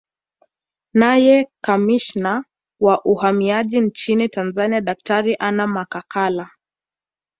Naye Kamishna wa Uhamiaji nchini Tanzania Daktari Anna Makakala